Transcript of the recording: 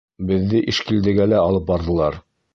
Беҙҙе Ишкилдегә лә алып барҙылар.